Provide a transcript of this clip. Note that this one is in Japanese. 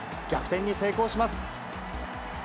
逆転に成功します。